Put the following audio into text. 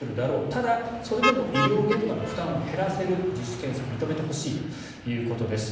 ただそれでも医療現場の負担を減らせる自主検査を認めてほしいということです。